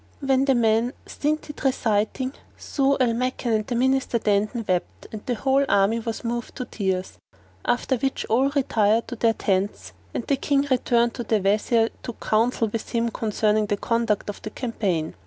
And when the man stinted reciting, Zau al Makan and the Minister Dandan wept and the whole army was moved to tears; after which all retired to their tents, and the King turning to the Wazir took counsel with him concerning the conduct of the campaign.